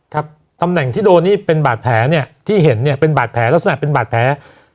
ครับตำแหน่งที่โดนนี่เป็นบาดแผลเนี่ยที่เห็นเนี่ยเป็นบาดแผลลักษณะเป็นบาดแผล